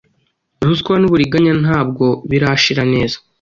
ruswa n’uburiganya ntabwo birashira neza